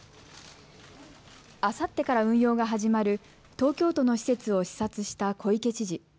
あさってから運用が始まる東京都の施設を視察した小池知事。